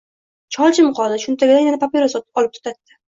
Chol jim qoldi. Cho’ntagidan yana papiros olib tutatdi.